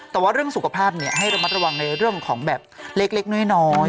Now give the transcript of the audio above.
แต่ว่าเรื่องสุขภาพให้ระมัดระวังในเรื่องของแบบเล็กน้อย